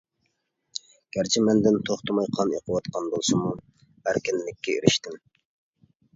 گەرچە مەندىن توختىماي قان ئېقىۋاتقان بولسىمۇ ئەركىنلىككە ئېرىشتىم.